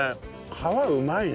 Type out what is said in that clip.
皮うまいね。